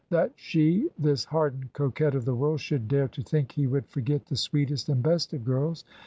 That she this hardened coquette of the world, should dare to think he would forget the sweetest and best of girls.